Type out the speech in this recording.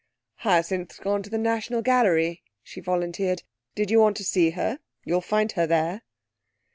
'Hyacinth's gone to the National Gallery,' she volunteered. 'Did you want to see her? You will find her there.'